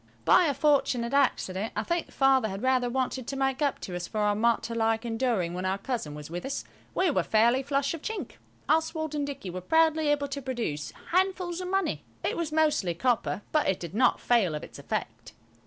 By a fortunate accident–I think Father had rather wanted to make up to us for our martyr like enduring when our cousin was with us–we were fairly flush of chink. Oswald and Dicky were proudly able to produce handfuls of money; it was mostly copper, but it did not fail of its effect.